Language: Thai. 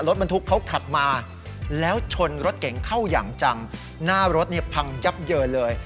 รถบรรทุกเขาขับมาแล้วชนรถเก๋งเข้าอย่างจังหน้ารถเนี่ยพังยับเยินเลย